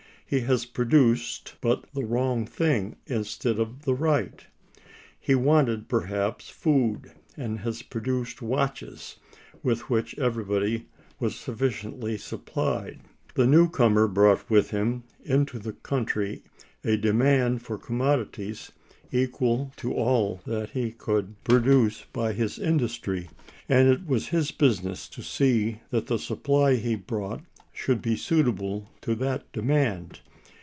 He has produced—but the wrong thing instead of the right. He wanted, perhaps, food, and has produced watches, with which everybody was sufficiently supplied. The new comer brought with him into the country a demand for commodities equal to all that he could produce by his industry, and it was his business to see that the supply he brought should be suitable to that demand.